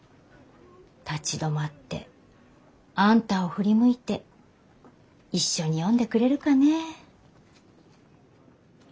立ち止まってあんたを振り向いて一緒に読んでくれるかね？